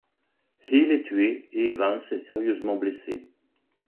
Hill est tué et Evans est sérieusement blessé.